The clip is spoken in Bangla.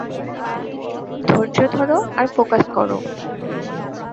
ধৈর্য্য ধরো আর ফোকাস করো।